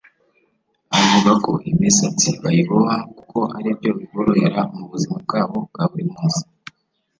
avuga ko imisatsi bayiboha kuko ari byo biborohera mu buzima bwabo bwa buri munsi